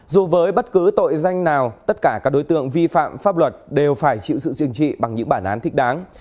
dù với bất cứ tội danh nào tất cả các đối tượng vi phạm pháp luật đều phải chịu sự chừng trị bằng những bản án thích đáng